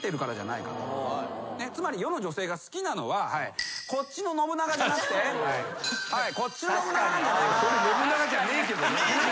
つまり世の女性が好きなのはこっちの信長じゃなくてこっちの信長なんじゃないかと。それ信長じゃねえけど。